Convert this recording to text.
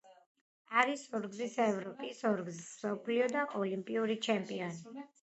არის ორგზის ევროპის, ორგზის მსოფლიო და ოლიმპიური ჩემპიონი.